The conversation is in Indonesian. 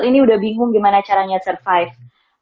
ini udah bingung gimana caranya survive